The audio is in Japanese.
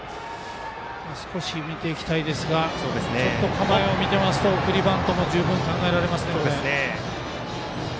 少し、見ていきたいですが構えを見ていると送りバントも十分考えられます。